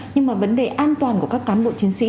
nhưng mà vấn đề an toàn của các cán bộ chiến sĩ